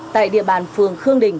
tại địa bàn phường khương đình